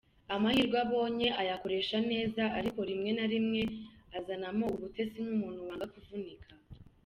Amahirwe abonye, ayakoresha neza ariko rimwe na rimwe azanamo ubutesi nk’umuntu wanga kuvunika.